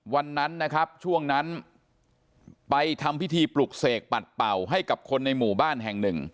วันนั้นนะครับช่วงนั้นไปทำพิธีปลุกเสกปัดเป่าให้กับคนในหมู่บ้านแห่งหนึ่ง